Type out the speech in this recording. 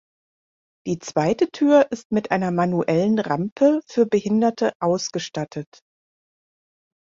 Die zweite Tür ist mit einer manuellen Rampe für Behinderte ausgestattet.